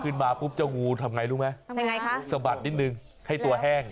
ขึ้นมาจ้าวงูทำไงรู้ไหมสะบัดนิดหนึ่งให้ตัวแห้ง